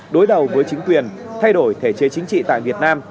đối đầu với chính quyền thay đổi thể chế chính trị tại việt nam